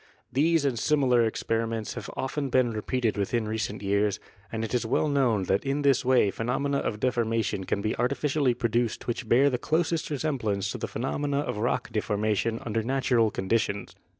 These and similar experi ments have been often repeated within recent years, and it is well known that in this way phenomena of deforma tion can be artificially produced which bear the closest resemblance to the phenomena of rock deformation under natural conditions.